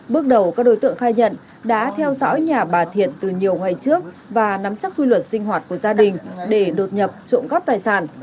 bước đầu các đối tượng khai nhận đã theo dõi nhà bà thiện từ nhiều ngày trước và nắm chắc quy luật sinh hoạt của gia đình để đột nhập trộm cắp tài sản